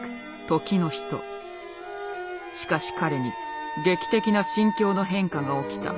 しかし彼に劇的な心境の変化が起きた。